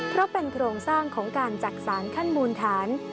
เพราะเป็นโครงสร้างของการจักษานขั้นมูลฐาน